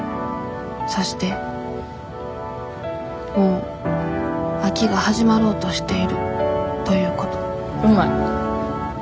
そしてもう秋が始まろうとしているということうまい。